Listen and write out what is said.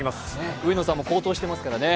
上野さんも好投してますからね。